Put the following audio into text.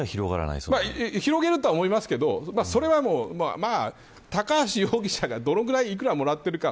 広げるとは思いますがそれは、高橋容疑者がどのくらい幾らもらっているか